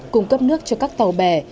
cung cấp nước cho các tàu bè